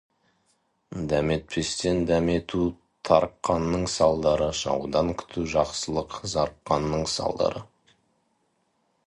Дәметпестен дәмету — тарыққанның салдары, жаудан күту жақсылық — зарыққанның салдары.